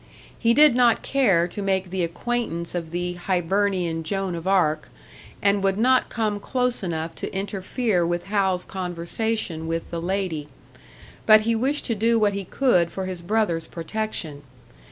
He did not care to make the acquaintance of the Hibernian Joan of Arc, and would not come close enough to interfere with Hal's conversation with the lady; but he wished to do what he could for his brother's protection.